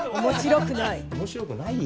面白くない！